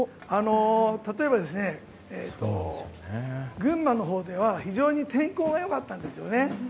例えば、群馬のほうでは非常に天候が良かったんですよね。